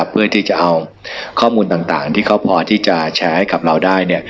เพื่อที่จะเอาข้อมูลต่างที่เขาพอที่จะแชร์ให้กับเราได้